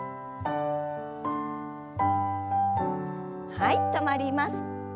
はい止まります。